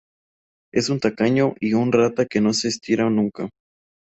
Es un tacaño y un rata que no se estira nunca